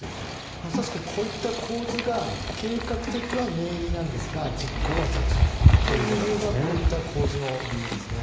まさしくこういった構図は計画は念入りなんですが実行は雑という理由がこういった構図の理由ですね。